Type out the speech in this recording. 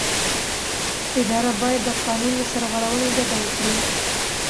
اداره باید د قانون له سرغړونې ډډه وکړي.